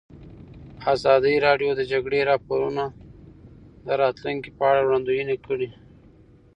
ازادي راډیو د د جګړې راپورونه د راتلونکې په اړه وړاندوینې کړې.